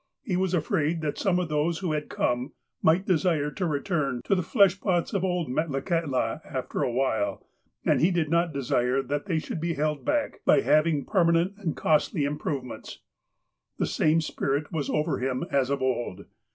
He was afraid that some of those who had come might desire to return to the fleshpots of old Metlakahtla, after a while, and he did not desire that they should be held back by having made permanent and costly improvements. The same spirit was over him as of old.